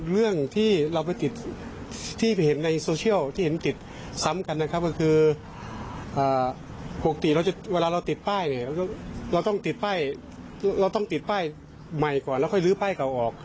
เราต้องติดป้ายใหม่ก่อนแล้วค่อยลื้อป้ายเก่าออก